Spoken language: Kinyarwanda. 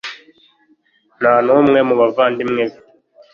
Nta n'umwe mu bavandimwe be.